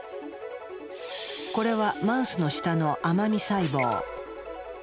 これはマウスの舌の甘味細胞。